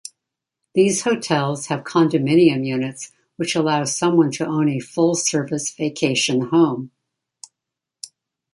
These hotels have condominium units which allow someone to own a full-service vacation home.